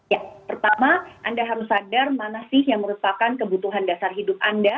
ya pertama anda harus sadar mana sih yang merupakan kebutuhan dasar hidup anda